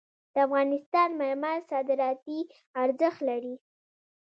د افغانستان مرمر صادراتي ارزښت لري